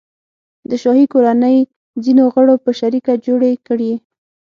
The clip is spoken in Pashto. د شاهي کورنۍ ځینو غړو په شریکه جوړې کړي.